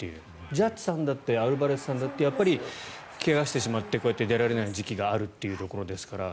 ジャッジさんだってアルバレスさんだってやっぱり怪我をしてしまってこうやって出られない時期があるということですから。